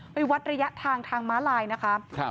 วัดระยะทางทางม้าลายนะคะ